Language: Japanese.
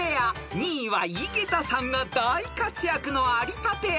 ［２位は井桁さんが大活躍の有田ペア］